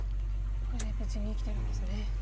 これで無事に生きてるんですね。